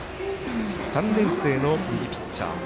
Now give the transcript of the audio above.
３年生の右ピッチャー。